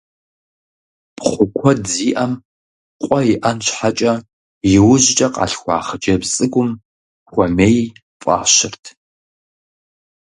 Пхъу куэд зиӀэм, къуэ иӀэн щхьэкӀэ, иужькӀэ къалъхуа хъыджэбз цӀыкӀум «Хуэмей» фӀащырт.